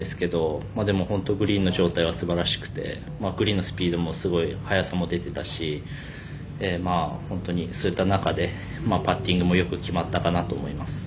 本当、大雨の中だったんですけどグリーンの状態はすばらしくてグリーンのスピードも、すごい速さも出ていたし本当にそういった中でパッティングもよく決まったかなと思います。